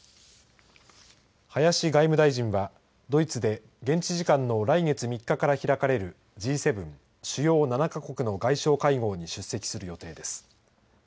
林外務大臣はドイツで現地時間の来月３日から開かれるＧ７、主要７か国の外相会合に出席する予定です。